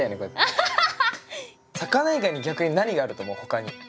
魚以外に逆に何があると思う？ほかに。